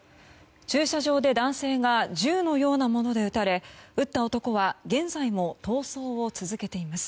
駐車場で男性が銃のようなもので撃たれ撃った男は現在も逃走を続けています。